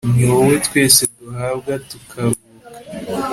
ni wowe twese duhabwa tukaruhuka